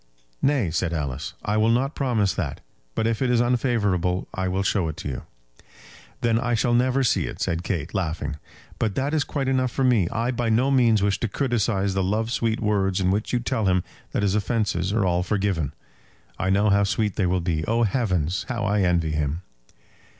"Nay," said Alice; "I will not promise that. But if it is unfavourable I will show it you." "Then I shall never see it," said Kate, laughing. "But that is quite enough for me. I by no means wish to criticise the love sweet words in which you tell him that his offences are all forgiven. I know how sweet they will be. Oh, heavens! how I envy him!"